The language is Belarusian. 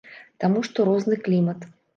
Таму што розны клімат.